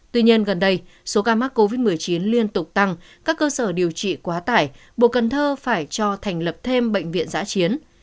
tuy nhiên gần đây số ca mắc covid một mươi chín liên tục tăng các cơ sở điều trị quá tải bộ cần thơ phải cho thành lập thêm bệnh viện giã chiến